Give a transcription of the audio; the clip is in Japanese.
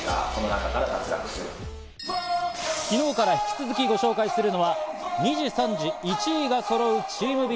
昨日から引き続きご紹介するのは、２次、３次の１位がそろうチームＢ。